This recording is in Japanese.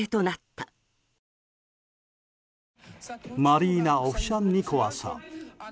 マリーナ・オフシャンニコワさん。